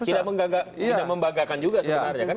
tidak membagakan juga sebenarnya kan